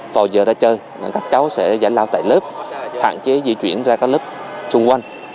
vào giờ ra chơi các cháu sẽ lao tại lớp hạn chế di chuyển ra các lớp xung quanh